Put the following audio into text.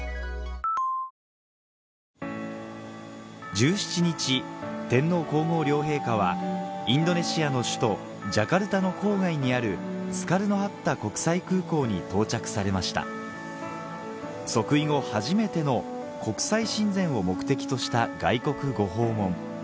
１７日天皇皇后両陛下はインドネシアの首都ジャカルタの郊外にあるスカルノ・ハッタ国際空港に到着されました即位後初めての国際親善を目的とした外国ご訪問